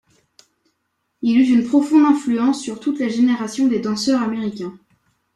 Il eut une profonde influence sur toute une génération de danseurs américains.